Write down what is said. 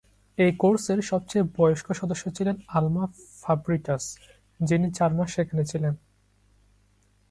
এই কোর্সের সবচেয়ে বয়স্ক সদস্য ছিলেন আলমা ফাব্রিটাস, যিনি চার মাস সেখানে ছিলেন।